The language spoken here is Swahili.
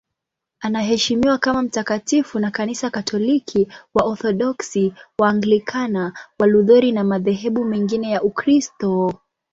Anaheshimiwa kama mtakatifu na Kanisa Katoliki, Waorthodoksi, Waanglikana, Walutheri na madhehebu mengine ya Ukristo.